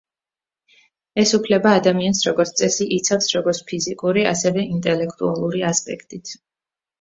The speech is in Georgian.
ეს უფლება ადამიანს, როგორც წესი, იცავს, როგორც ფიზიკური, ასევე ინტელექტუალური ასპექტით.